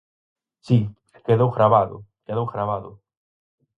Si, quedou gravado, quedou gravado.